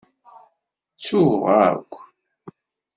Ttuɣ akk.